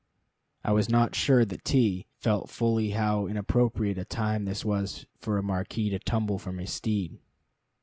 I was not sure that T felt fully how inappropriate a time this was for a marquis to tumble from his steed.